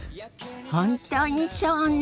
本当にそうね！